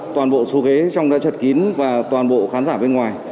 toàn bộ số ghế trong đã chật kín và toàn bộ khán giả bên ngoài